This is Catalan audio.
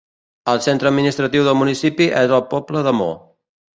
El centre administratiu del municipi és el poble de Mo.